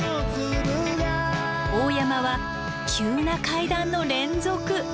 大山は急な階段の連続！